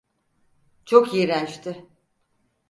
Çok iğrençti.